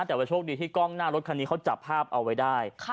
แต่ว่าโชคดีที่กล้องหน้ารถคันนี้เขาจับภาพเอาไว้ได้